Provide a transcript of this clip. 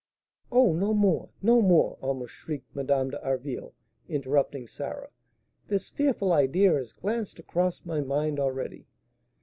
"Oh, no more! no more!" almost shrieked Madame d'Harville, interrupting Sarah; "this fearful idea has glanced across my mind already."